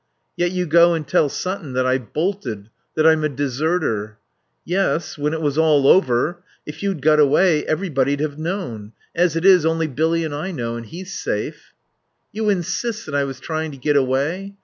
"Yet you go and tell Sutton that I've bolted. That I'm a deserter." "Yes, when it was all over. If you'd got away everybody'd have known. As it is, only Billy and I know; and he's safe." "You insist that I was trying to get away?